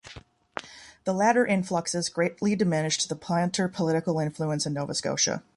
The latter influxes greatly diminished the Planter political influence in Nova Scotia.